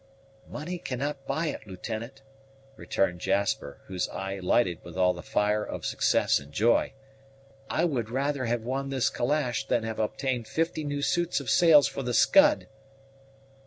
"Money cannot buy it, Lieutenant," returned Jasper, whose eye lighted with all the fire of success and joy. "I would rather have won this calash than have obtained fifty new suits of sails for the _Scud!